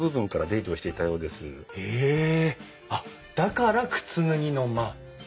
あっだから靴脱ぎの間。